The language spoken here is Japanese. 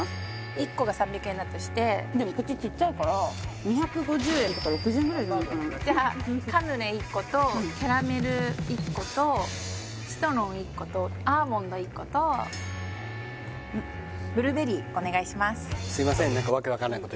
１個が３００円だとしてでもこっち小さいから２５０円とか６０円ぐらいじゃないかなじゃあカヌレ１個とキャラメル１個とシトロン１個とアーモンド１個とブルーベリーお願いします